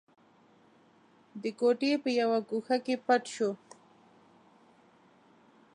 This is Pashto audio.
د کوټې په يوه ګوښه کې پټ شو.